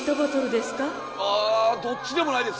あどっちでもないですよ。